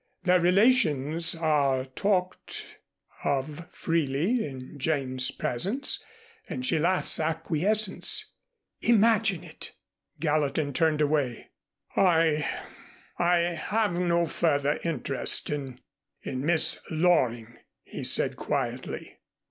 Their relations are talked of freely in Jane's presence and she laughs acquiescence. Imagine it!" Gallatin turned away. "I I have no further interest in in Miss Loring," he said quietly.